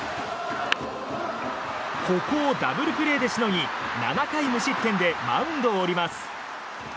ここをダブルプレーでしのぎ７回無失点でマウンドを降ります。